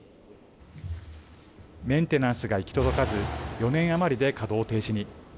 メンテナンスが行き届かず４年余りで稼働停止に。